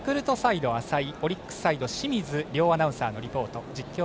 ヤクルトサイドは浅井オリックスサイド清水アナウンサーのリポート。